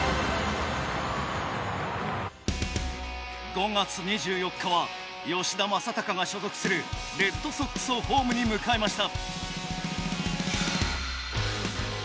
５月２４日は吉田正尚が所属するレッドソックスをホームに迎えました。